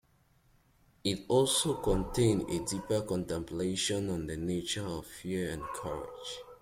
It also contains a deeper contemplation on the nature of fear and courage.